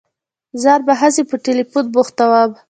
ځان به هسي په ټېلفون بوختوم.